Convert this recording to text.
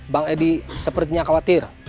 bang edi sepertinya khawatir